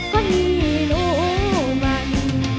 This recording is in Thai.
ก็นี่นูมัน